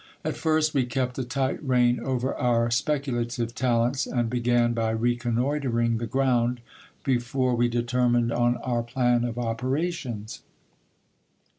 At first we kept a tight rein over our specu lative talents, and began by reconnoitring the ground before we determined on our plan of operations.